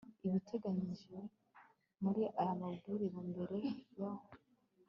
ibiteganyijwe muri aya mabwiriza mbere yo